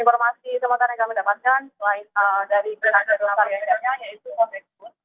informasi tempatan yang kami dapatkan selain dari perjalanan rote yaitu konteks bus